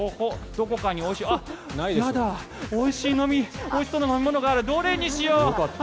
どこかにおいしいあっ、いやだおいしそうな飲み物があるどれにしよう。